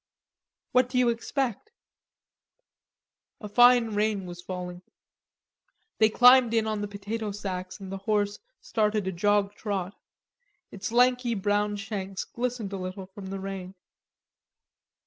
"What do you expect?" A fine rain was falling. They climbed in on the potato sacks and the horse started a jog trot; its lanky brown shanks glistened a little from the rain.